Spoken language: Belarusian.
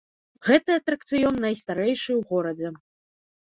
Гэты атракцыён найстарэйшы ў горадзе.